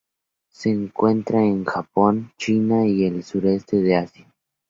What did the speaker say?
Se encuentra en Japón, China, y el Sudeste de Asia.